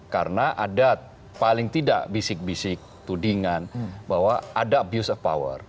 karena ada paling tidak bisik bisik tudingan bahwa ada abuse of power